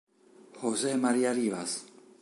José María Rivas